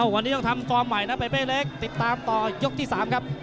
วันนี้ต้องทำฟอร์มใหม่นะเปเป้เล็กติดตามต่อยกที่๓ครับ